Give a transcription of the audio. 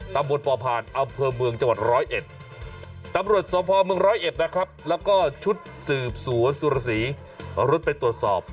ตำรวจปอพานเอาเผือเมืองจังหวัดร้อยเอ็ด